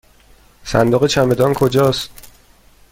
صندوق چمدان کجاست؟